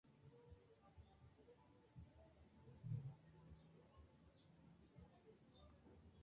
Verve Records estas usona muzik- kaj diskeldonejo, kiu specialiĝis origine pri ĵaz-produktaĵoj.